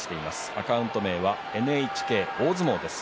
アカウント名はＮＨＫ大相撲です。